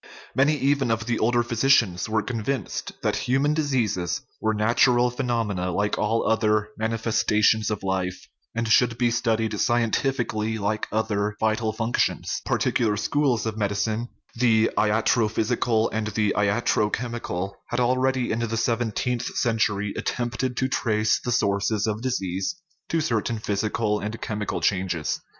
Many even of the older physicians were convinced that human diseases were natural phe nomena, like all other manifestations of life, and should be studied scientifically, like other vital functions. Par ticular schools of medicine the latrophysical and the latrochemical had already, in the seventeenth cen tury, attempted to trace the sources of disease to certain physical and chemical changes.